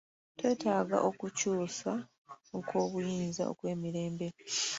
Twetaaga okukyusa kw'obuyinza okw'emirembe.